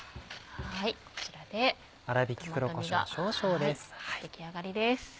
こちらでトマト煮が出来上がりです。